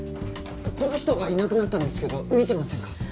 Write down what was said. この人がいなくなったんですけど見てませんか？